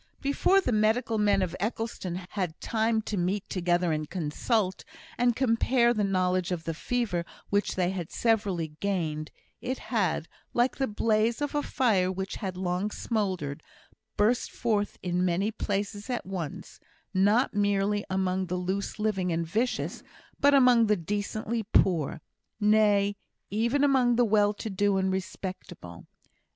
Before the medical men of Eccleston had had time to meet together and consult, and compare the knowledge of the fever which they had severally gained, it had, like the blaze of a fire which had long smouldered, burst forth in many places at once not merely among the loose living and vicious, but among the decently poor nay, even among the well to do and respectable.